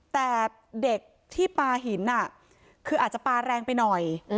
แต่เด็กที่ปลาหินคืออาจจะปลาแรงไปหน่อย